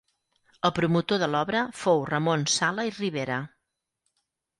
El promotor de l'obra fou Ramon Sala i Ribera.